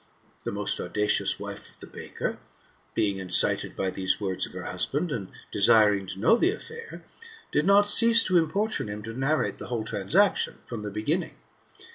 The most audacious wife of the baker, being incited 156 THX MXTAHORPHOSISy OR by these words of her husband, and desiring to know the affiiir, did not cease to importune him to narrate the whole transac tion^ from the beginning.